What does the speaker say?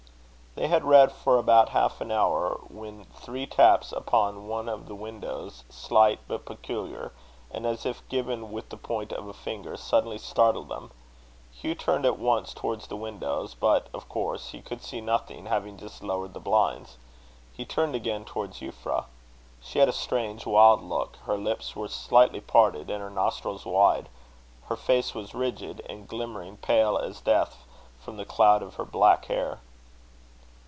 They had read for about half an hour, when three taps upon one of the windows, slight, but peculiar, and as if given with the point of a finger, suddenly startled them. Hugh turned at once towards the windows; but, of course, he could see nothing, having just lowered the blinds. He turned again towards Euphra. She had a strange wild look; her lips were slightly parted, and her nostrils wide; her face was rigid, and glimmering pale as death from the cloud of her black hair.